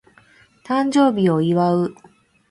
誕生日を祝う